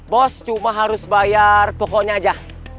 bos cuma harus bayar pokoknya aja